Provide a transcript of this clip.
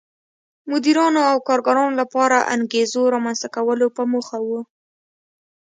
مدیرانو او کارګرانو لپاره انګېزو رامنځته کولو په موخه و.